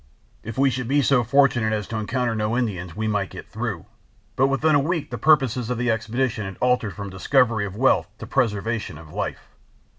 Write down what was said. If we should be so fortunate as to encounter no Indians we might get through. But within a week the purpose of the expedition had altered from discovery of wealth to preservation of life.